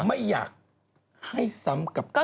ไม่อยากให้ซ้ำกับทางเรา